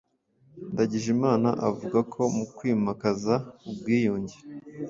Ndagijimana avuga ko mu kwimakaza ubwiyunge,